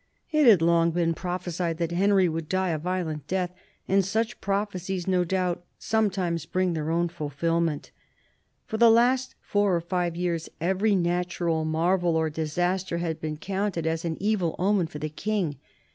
It had long been prophesied that Henry would die a violent death, and such prophecies, no doubt, sometimes bring their own fulfilment. For the last four or five years, every natural marvel or disaster had been counted as an evil omen for the King.